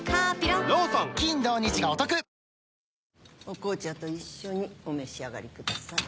お紅茶と一緒にお召し上がりください。